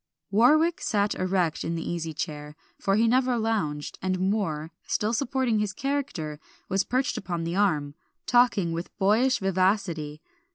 Warwick sat erect in the easy chair, for he never lounged; and Moor, still supporting his character, was perched upon the arm, talking with boyish vivacity.